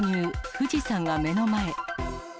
富士山が目の前。